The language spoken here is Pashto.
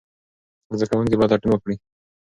زده کوونکي باید لټون وکړي.